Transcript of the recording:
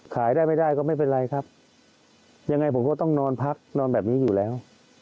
ขายได้ไม่ได้ก็ไม่เป็นไรครับยังไงผมก็ต้องนอนพักนอนแบบนี้อยู่แล้ว